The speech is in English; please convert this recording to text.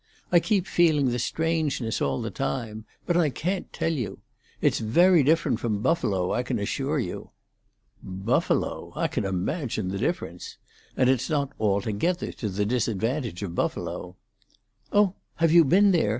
I keep feeling the strangeness all the time. But I can't tell you. It's very different from Buffalo, I can assure you." "Buffalo? I can imagine the difference. And it's not altogether to the disadvantage of Buffalo." "Oh, have you been there?"